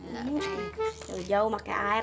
jauh jauh pakai air